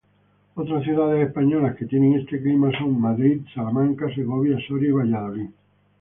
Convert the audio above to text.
Otras ciudades españolas que tienen este clima son Madrid, Salamanca, Segovia, Soria y Valladolid.